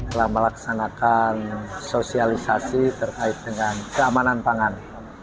telah melaksanakan sosialisasi terkait dengan keamanan pangan